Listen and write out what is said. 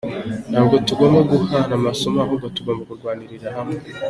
“Ntabwo tugomba guhana amasomo ahubwo tugomba kurwanira hamwe.